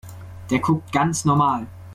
Der guckt ganz normal.